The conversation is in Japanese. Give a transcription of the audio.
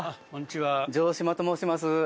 城島と申します。